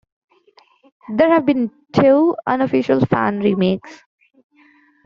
There have been two unofficial fan remakes.